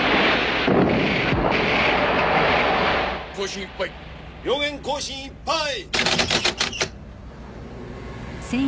後進いっぱい両舷後進いっぱい！